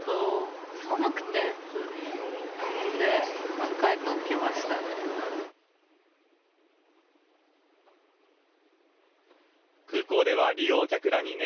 何回か起きましたね。